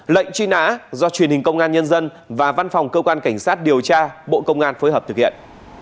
lệnh truy nã do truyền hình công an nhân dân và văn phòng cơ quan cảnh sát điều tra bộ công an phối hợp thực hiện